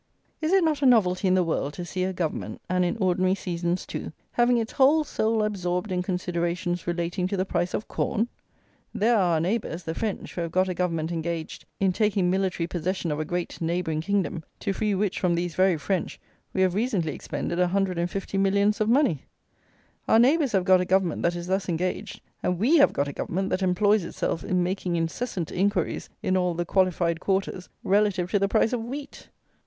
Is it not a novelty in the world to see a Government, and in ordinary seasons, too, having its whole soul absorbed in considerations relating to the price of corn? There are our neighbours, the French, who have got a Government engaged in taking military possession of a great neighbouring kingdom to free which from these very French, we have recently expended a hundred and fifty millions of money. Our neighbours have got a Government that is thus engaged, and we have got a Government that employs itself in making incessant "inquiries in all the qualified quarters" relative to the price of wheat!